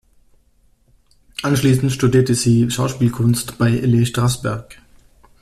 Anschließend studierte sie Schauspielkunst bei Lee Strasberg.